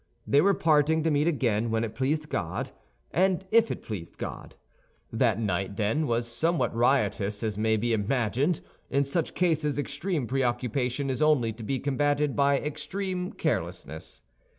They were parting to meet again when it pleased God, and if it pleased God. That night, then, was somewhat riotous, as may be imagined. In such cases extreme preoccupation is only to be combated by extreme carelessness.